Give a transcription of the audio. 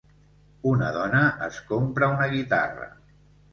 Un dona es compra una guitarra.